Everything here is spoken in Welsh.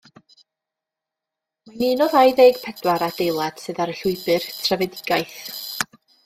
Mae'n un o ddau ddeg pedwar adeilad sydd ar y Llwybr Trefedigaeth.